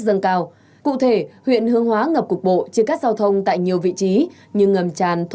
dâng cao cụ thể huyện hương hóa ngập cục bộ chia cắt giao thông tại nhiều vị trí như ngầm tràn